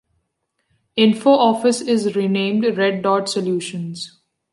InfoOffice is renamed RedDot Solutions.